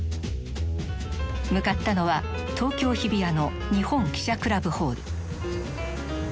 向かったのは東京・日比谷の日本記者クラブホール。